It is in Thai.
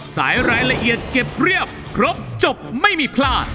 สายรายละเอียดเก็บเรียบครบจบไม่มีพลาด